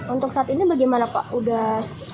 untuk saat ini bagaimana pak